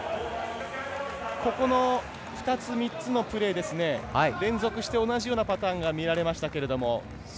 ここの２つ、３つのプレーですね連続して同じようなパターンが見受けられましたけれども。